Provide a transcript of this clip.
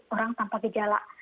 orang tanpa kejala